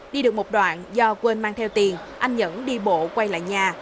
đi được một đoạn do quên mang theo tiền anh nhẫn đi bộ quay lại nhà